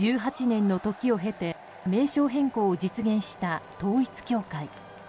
１８年の時を経て名称変更を実現した統一教会。